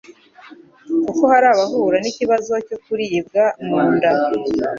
kuko hari abahura n'ikibazo cyo kuribwa mu nda